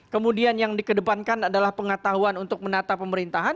kemudian yang dikedepankan adalah pengetahuan untuk menata pemerintahan